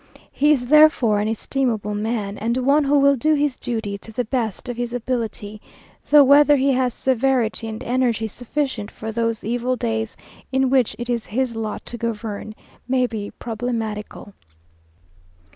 He is therefore an estimable man, and one who will do his duty to the best of his ability, though whether he has severity and energy sufficient for those evil days in which it is his lot to govern, may be problematical.